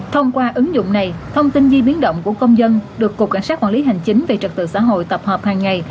thông qua ứng dụng này thông tin di biến động của công dân được cục cảnh sát quản lý hành chính về trật tự xã hội tập hợp hàng ngày